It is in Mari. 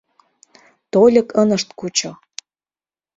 Тольык ынышт кучо.